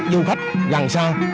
du khách gần xa